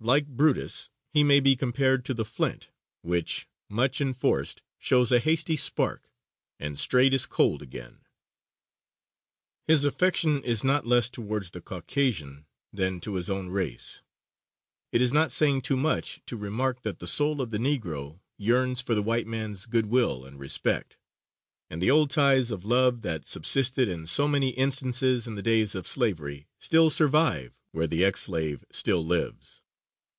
Like Brutus, he may be compared to the flint which, "Much enforced, shows a hasty spark, And straight is cold again." His affection is not less towards the Caucasian than to his own race. It is not saying too much to remark that the soul of the Negro yearns for the white man's good will and respect; and the old ties of love that subsisted in so many instances in the days of slavery still survive where the ex slave still lives.